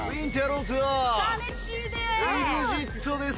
ＥＸＩＴです。